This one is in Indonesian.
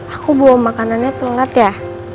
aku bawa makanannya tongkat ya